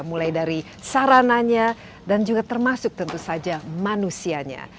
mulai dari sarananya dan juga termasuk tentu saja manusianya